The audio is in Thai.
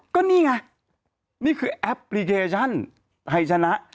ก็นี่ไงนี่คือแอปพลิเคชันไทยชนะ